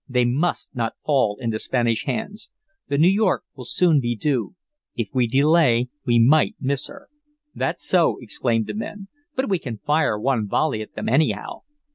They must not fall into Spanish hands. The New York will soon be due. If we delay we might miss her." "That's so," exclaimed the men. "But we can fire one volley at them anyhow."